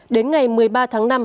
đến ngày một mươi ba tháng năm